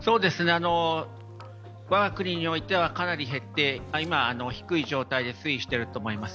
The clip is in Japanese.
我が国においてはかなり減って、今低い状態で推移していると思います。